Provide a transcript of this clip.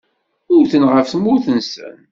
Wten ɣef tmurt-nsen.